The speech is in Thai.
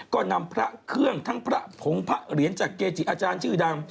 ก็นำพระเครื่องทั้งพระผงพระเหรียญจากเกจิอาจารย์ชื่อดัง